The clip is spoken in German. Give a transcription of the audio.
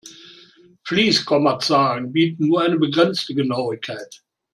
Fließkommazahlen bieten nur eine begrenzte Genauigkeit.